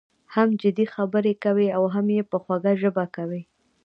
هم جدي خبره کوي او هم یې په خوږه ژبه کوي.